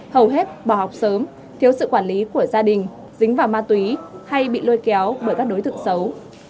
hầu hết bỏ học sớm thiếu sự quản lý của gia đình dính vào ma túy hay bị lôi kéo bởi các đối tượng xấu